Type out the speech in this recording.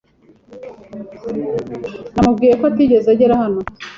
Namubwiye ko utigeze ugera hano.